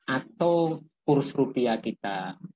atau kurs rupiah kita